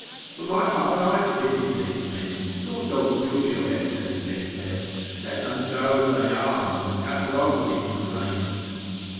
For my part I pity these men, stultos jubeo esse libenter, let them go as they are, in the catalogue of Ignoramus.